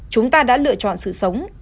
chúng ta đã lựa chọn sự sống